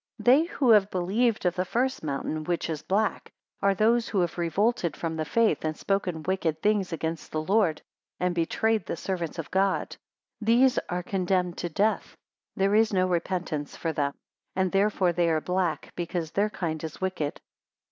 179 They who have believed of the first mountain, which is black, are those who have revolted from the faith, and spoken wicked things against the Lord; and betrayed the servants of God. 180 These are condemned to death; there is no repentance for them: and therefore they are black, because their kind is wicked.